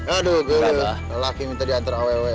aduh lelaki minta diantar aww